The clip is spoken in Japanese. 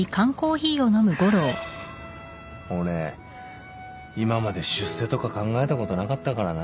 俺今まで出世とか考えたことなかったからな。